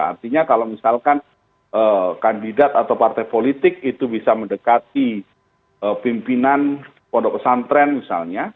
artinya kalau misalkan kandidat atau partai politik itu bisa mendekati pimpinan pondok pesantren misalnya